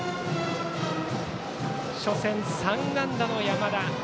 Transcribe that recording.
初戦、３安打の山田。